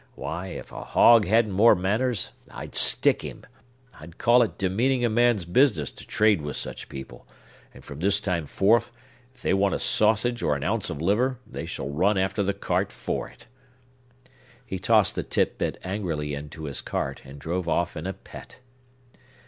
Why, if a hog hadn't more manners, I'd stick him! I call it demeaning a man's business to trade with such people; and from this time forth, if they want a sausage or an ounce of liver, they shall run after the cart for it!" He tossed the titbit angrily into his cart, and drove off in a pet.